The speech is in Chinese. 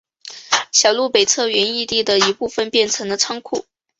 小路北侧原义地的一部分变成了仓库。